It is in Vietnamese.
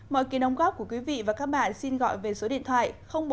mọi kỳ nông góp của quý vị và các bạn xin gọi về số điện thoại